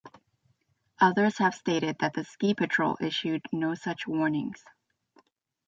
Others have stated that the ski patrol issued no such warnings.